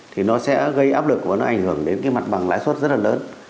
thì nó sẽ gây áp lực và nó ảnh hưởng đến cái mặt bằng lãi suất rất là lớn